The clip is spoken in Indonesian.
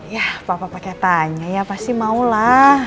ya papa pake tanya ya pasti mau lah